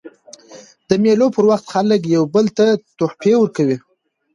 د مېلو پر وخت خلک یو بل ته تحفې ورکوي.